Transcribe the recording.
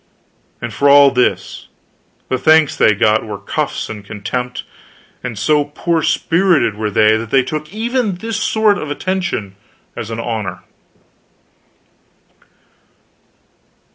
And for all this, the thanks they got were cuffs and contempt; and so poor spirited were they that they took even this sort of attention as an honor.